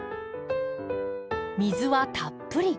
水はたっぷり。